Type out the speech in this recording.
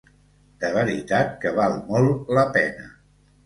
De veritat que val molt la pena.